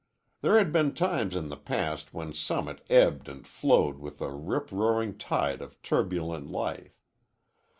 There had been times in the past when Summit ebbed and flowed with a rip roaring tide of turbulent life.